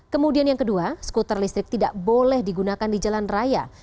kemudian yang kedua skuter listrik tidak boleh digunakan di jalan raya